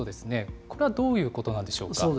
これはどういうことなんでしょう